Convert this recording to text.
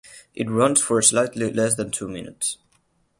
It runs for slightly less than two minutes.